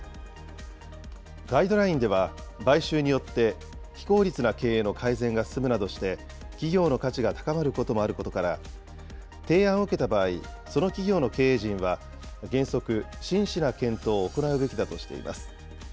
ガイドラインでは買収によって非効率な経営の改善が進むなどして、企業の価値が高まることもあることから、提案を受けた場合、その企業の経営陣は、原則、真摯な検討を行うべきだとしています。